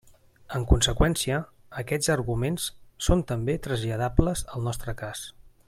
En conseqüència, aquests arguments són també traslladables al nostre cas.